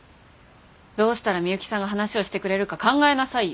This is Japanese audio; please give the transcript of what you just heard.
どうしたら美幸さんが話をしてくれるか考えなさいよ。